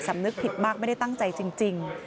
สำนึกผิดมากไม่ได้ตั้งใจจริง